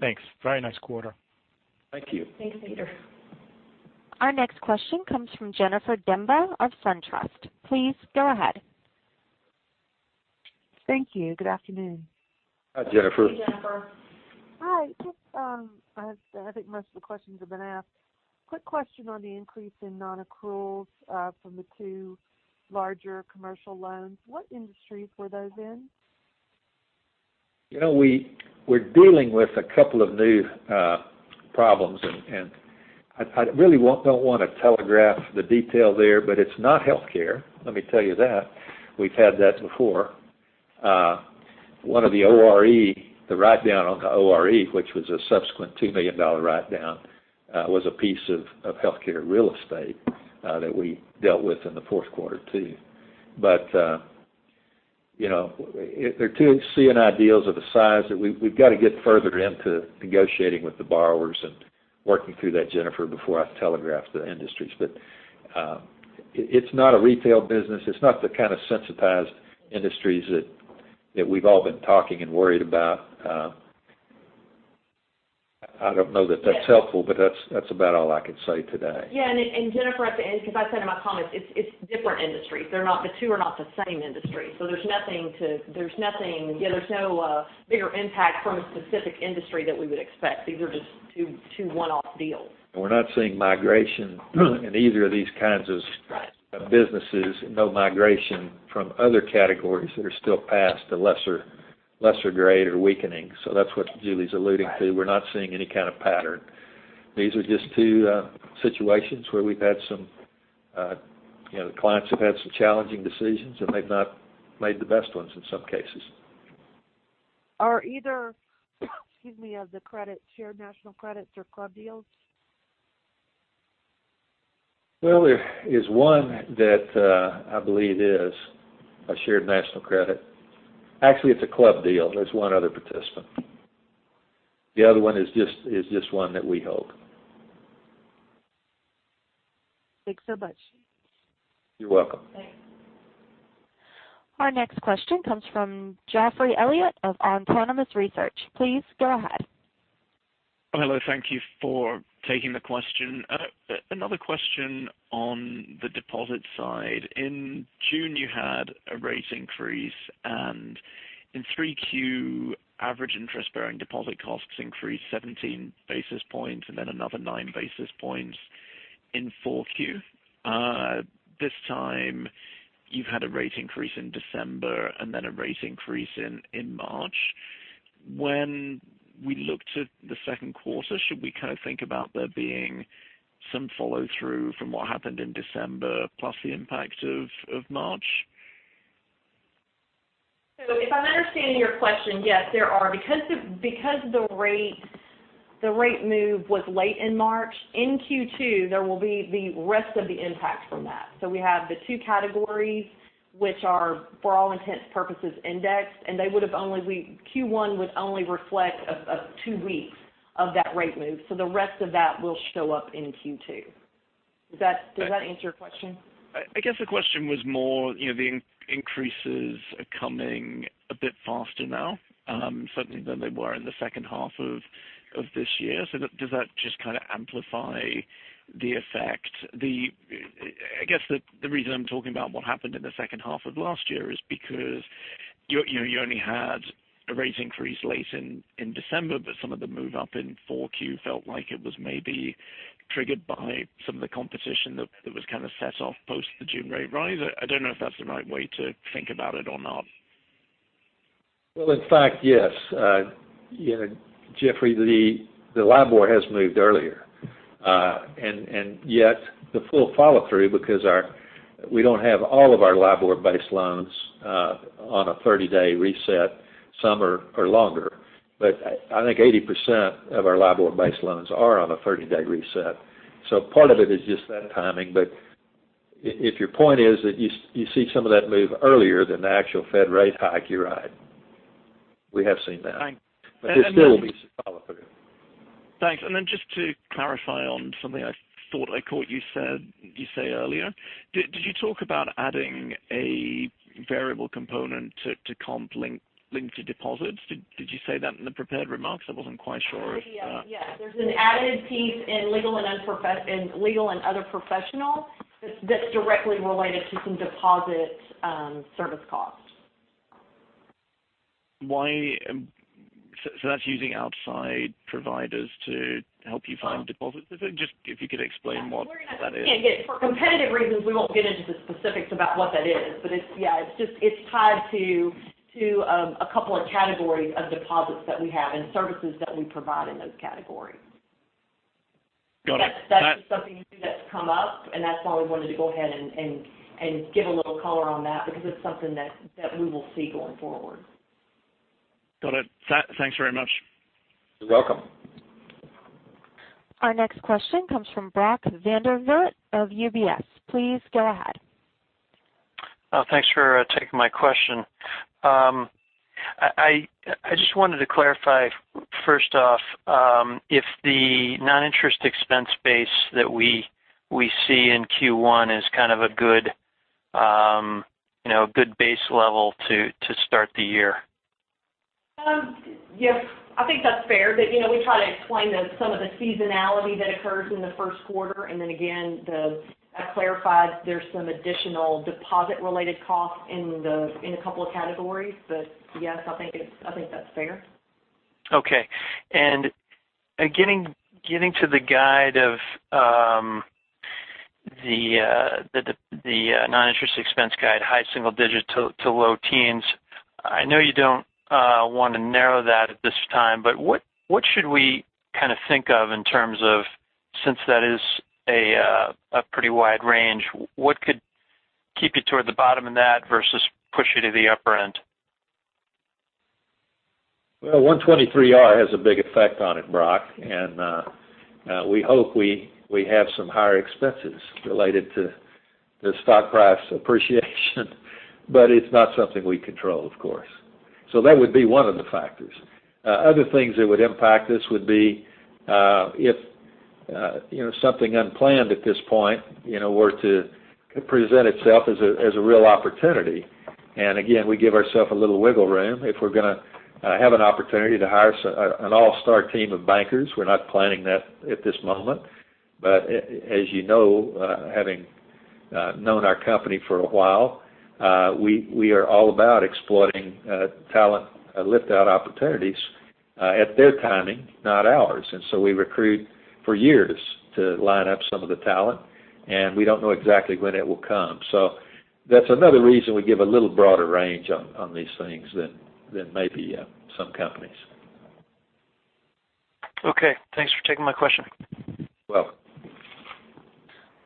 Thanks. Very nice quarter. Thank you. Thanks, Peter. Our next question comes from Jennifer Demba of SunTrust. Please go ahead. Thank you. Good afternoon. Hi, Jennifer. Hey, Jennifer. Hi. I think most of the questions have been asked. Quick question on the increase in non-accruals from the two larger commercial loans. What industries were those in? We're dealing with a couple of new problems. I really don't want to telegraph the detail there, but it's not healthcare, let me tell you that. We've had that before. One of the ORE, the write-down on the ORE, which was a subsequent $2 million write-down, was a piece of healthcare real estate that we dealt with in the fourth quarter, too. They're two C&I deals of a size that we've got to get further into negotiating with the borrowers and working through that, Jennifer, before I telegraph the industries. It's not a retail business. It's not the kind of sensitized industries that we've all been talking and worried about. I don't know that that's helpful, but that's about all I can say today. Jennifer, at the end, because I said in my comments, it's different industries. The two are not the same industry. There's no bigger impact from a specific industry that we would expect. These are just two one-off deals. We're not seeing migration in either of these kinds of businesses, no migration from other categories that are still past a lesser grade or weakening. That's what Julie's alluding to. We're not seeing any kind of pattern. These are just two situations where we've had some clients that have had some challenging decisions, and they've not made the best ones in some cases. Are either, excuse me, of the credit shared national credits or club deals? Well, there is one that I believe is a shared national credit. Actually, it's a club deal. There's one other participant. The other one is just one that we hold. Thanks so much. You're welcome. Thanks. Our next question comes from Geoffrey Elliott of Autonomous Research. Please go ahead. Hello. Thank you for taking the question. Another question on the deposit side. In June, you had a rate increase, and in 3Q, average interest-bearing deposit costs increased 17 basis points and then another nine basis points in 4Q. This time, you've had a rate increase in December and then a rate increase in March. When we look to the second quarter, should we kind of think about there being some follow-through from what happened in December plus the impact of March? If I'm understanding your question, yes, there are. Because the rate move was late in March, in Q2, there will be the rest of the impact from that. We have the two categories, which are, for all intents and purposes, indexed, and Q1 would only reflect two weeks of that rate move. The rest of that will show up in Q2. Does that answer your question? I guess the question was more, the increases are coming a bit faster now, certainly than they were in the second half of this year. Does that just kind of amplify the effect. I guess the reason I'm talking about what happened in the second half of last year is because you only had a rate increase late in December, but some of the move up in 4Q felt like it was maybe triggered by some of the competition that was kind of set off post the June rate rise. I don't know if that's the right way to think about it or not. Well, in fact, yes. Geoffrey, the LIBOR has moved earlier, and yet the full follow-through because we don't have all of our LIBOR-based loans on a 30-day reset. Some are longer. I think 80% of our LIBOR-based loans are on a 30-day reset. Part of it is just that timing. But if your point is that you see some of that move earlier than the actual Fed rate hike, you're right. We have seen that. Thanks. There still will be some follow-through. Thanks. Just to clarify on something I thought I caught you say earlier. Did you talk about adding a variable component to comp link to deposits? Did you say that in the prepared remarks? I wasn't quite sure of that. There's an added piece in legal and other professional that's directly related to some deposit service costs. That's using outside providers to help you find deposits? If you could explain what that is. For competitive reasons, we won't get into the specifics about what that is. Yeah, it's tied to a couple of categories of deposits that we have and services that we provide in those categories. Got it. That's just something new that's come up, that's why we wanted to go ahead and give a little color on that because it's something that we will see going forward. Got it. Thanks very much. You're welcome. Our next question comes from Brock Vandervliet of UBS. Please go ahead. Thanks for taking my question. I just wanted to clarify, first off, if the non-interest expense base that we see in Q1 is kind of a good base level to start the year. Yes, I think that's fair. We try to explain some of the seasonality that occurs in the first quarter. Again, I clarified there's some additional deposit-related costs in a couple of categories. Yes, I think that's fair. Okay. Getting to the guide of the non-interest expense guide, high single-digit to low teens, I know you don't want to narrow that at this time, but what should we kind of think of in terms of, since that is a pretty wide range, what could keep you toward the bottom of that versus push you to the upper end? Well, 123R has a big effect on it, Brock, and we hope we have some higher expenses related to the stock price appreciation, but it's not something we control, of course. That would be one of the factors. Other things that would impact this would be if something unplanned at this point were to present itself as a real opportunity. Again, we give ourself a little wiggle room if we're going to have an opportunity to hire an all-star team of bankers. We're not planning that at this moment. As you know, having known our company for a while, we are all about exploiting talent lift-out opportunities at their timing, not ours. So we recruit for years to line up some of the talent, and we don't know exactly when it will come. That's another reason we give a little broader range on these things than maybe some companies. Okay. Thanks for taking my question. You're welcome.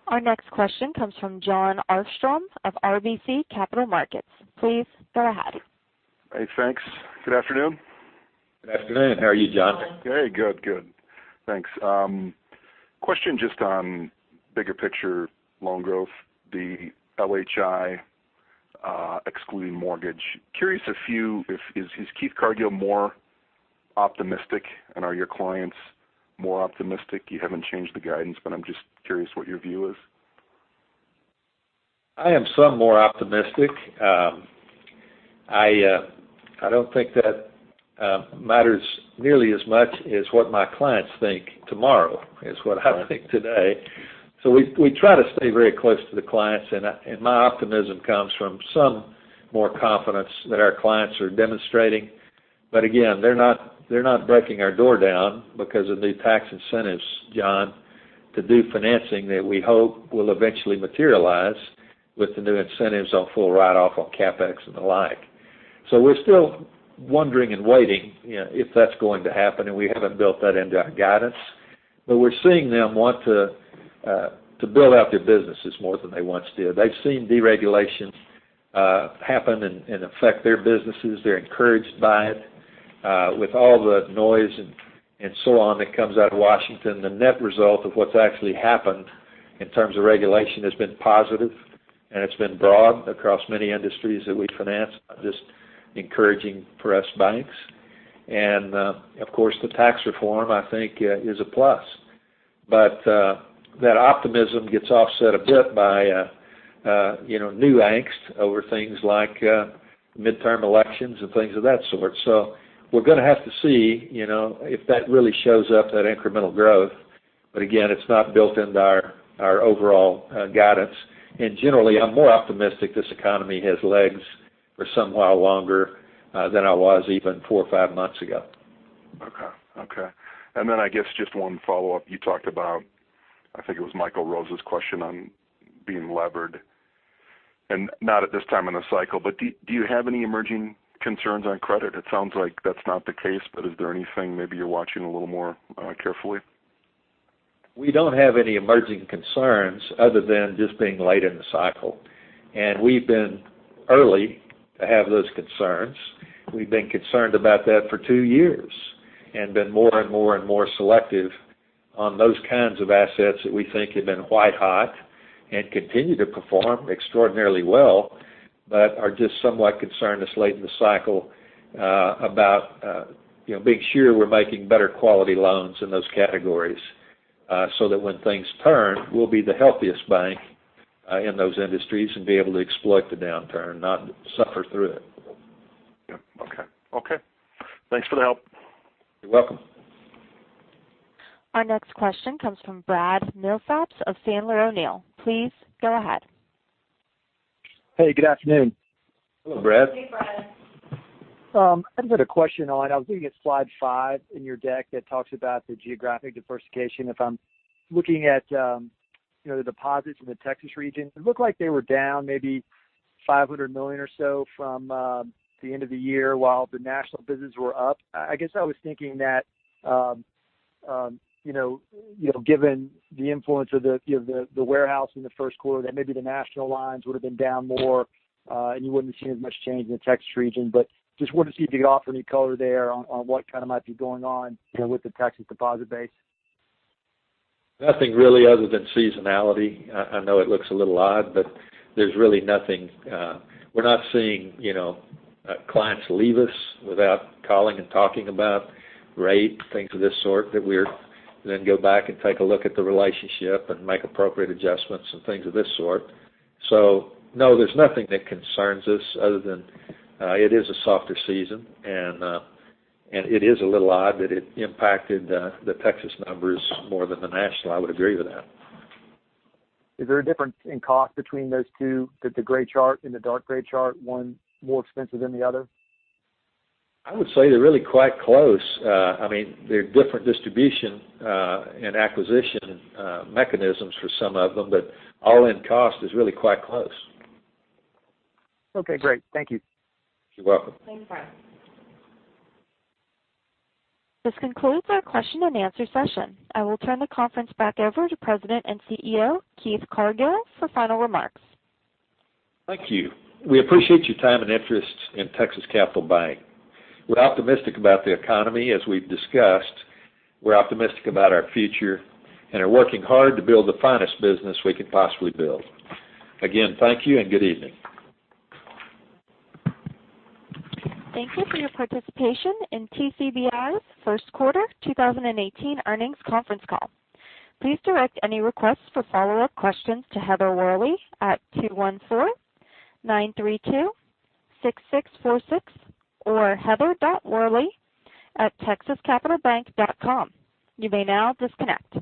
Our next question comes from Jon Arfstrom of RBC Capital Markets. Please go ahead. Hey, thanks. Good afternoon. Good afternoon. How are you, Jon? Very good. Thanks. Question just on bigger picture loan growth, the LHI, excluding mortgage. Curious if is Keith Cargill more optimistic, and are your clients more optimistic? You haven't changed the guidance, but I'm just curious what your view is. I am some more optimistic. I don't think that matters nearly as much as what my clients think tomorrow as what I think today. We try to stay very close to the clients, and my optimism comes from some more confidence that our clients are demonstrating. Again, they're not breaking our door down because of new tax incentives, Jon, to do financing that we hope will eventually materialize with the new incentives on full write-off on CapEx and the like. We're still wondering and waiting if that's going to happen, and we haven't built that into our guidance. We're seeing them want to build out their businesses more than they once did. They've seen deregulation happen and affect their businesses. They're encouraged by it. With all the noise and so on that comes out of Washington, the net result of what's actually happened in terms of regulation has been positive, and it's been broad across many industries that we finance, just encouraging for us banks. Of course, the tax reform, I think, is a plus. That optimism gets offset a bit by New angst over things like midterm elections and things of that sort. We're going to have to see if that really shows up, that incremental growth. Again, it's not built into our overall guidance. Generally, I'm more optimistic this economy has legs for some while longer than I was even four or five months ago. Okay. I guess just one follow-up. You talked about, I think it was Michael Rose's question on being levered, and not at this time in the cycle, but do you have any emerging concerns on credit? It sounds like that's not the case, but is there anything maybe you're watching a little more carefully? We don't have any emerging concerns other than just being late in the cycle. We've been early to have those concerns. We've been concerned about that for two years and been more and more selective on those kinds of assets that we think have been white hot and continue to perform extraordinarily well, but are just somewhat concerned this late in the cycle about being sure we're making better quality loans in those categories, so that when things turn, we'll be the healthiest bank in those industries and be able to exploit the downturn, not suffer through it. Yep. Okay. Thanks for the help. You're welcome. Our next question comes from Brad Milsaps of Sandler O'Neill. Please go ahead. Hey, good afternoon. Hello, Brad. Hey, Brad. I've got a question on, I was looking at slide five in your deck that talks about the geographic diversification. If I'm looking at the deposits in the Texas region, it looked like they were down maybe $500 million or so from the end of the year while the national business were up. I guess I was thinking that, given the influence of the warehouse in the first quarter, that maybe the national lines would've been down more, and you wouldn't have seen as much change in the Texas region. Just wanted to see if you could offer any color there on what kind of might be going on with the Texas deposit base. Nothing really, other than seasonality. I know it looks a little odd, but there's really nothing. We're not seeing clients leave us without calling and talking about rate, things of this sort that then go back and take a look at the relationship and make appropriate adjustments and things of this sort. No, there's nothing that concerns us other than it is a softer season, and it is a little odd that it impacted the Texas numbers more than the national. I would agree with that. Is there a difference in cost between those two, the gray chart and the dark gray chart, one more expensive than the other? I would say they're really quite close. They're different distribution and acquisition mechanisms for some of them, but all-in cost is really quite close. Great. Thank you. You're welcome. Thanks, Brad. This concludes our question and answer session. I will turn the conference back over to President and CEO, Keith Cargill, for final remarks. Thank you. We appreciate your time and interest in Texas Capital Bank. We're optimistic about the economy, as we've discussed. We're optimistic about our future and are working hard to build the finest business we can possibly build. Again, thank you and good evening. Thank you for your participation in TCBI's first quarter 2018 earnings conference call. Please direct any requests for follow-up questions to Heather Worley at 214-932-6646 or heather.worley@texascapitalbank.com. You may now disconnect.